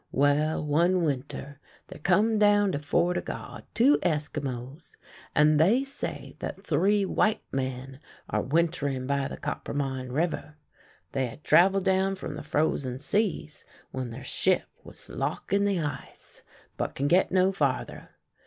Well, one winter there come down to Fort o' God two Esquimaux, and they say that three white men are wintering by the Coppermine River ; they had travel down from the frozen seas when their ship was lock in the ice, but can get no farther.